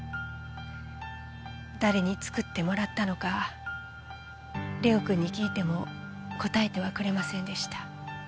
誰に作ってもらったのか玲央君に聞いても答えてはくれませんでした。